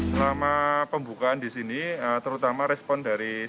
selama pembukaan di sini terutama respon dari